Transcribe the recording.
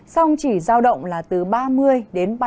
xong chỉ giao động là từ ba mươi đến ba mươi ba độ